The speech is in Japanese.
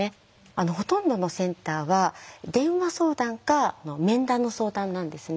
ほとんどのセンターは電話相談か面談の相談なんですね。